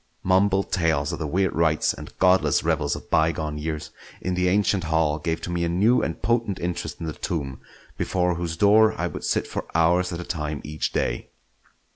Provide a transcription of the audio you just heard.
Mumbled tales of the weird rites and godless revels of bygone years in the ancient hall gave to me a new and potent interest in the tomb, before whose door I would sit for hours at a time each day.